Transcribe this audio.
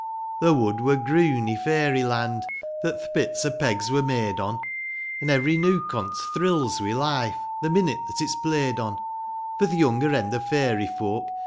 IV Th' wood were groon i' fairy lond That th' bits o' pegs were made on ; An' every nook on't thrills wi' life The minute that it's played on : For th' younger end o' fairy folk.